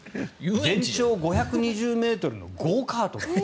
全長５２０ｍのゴーカートがある。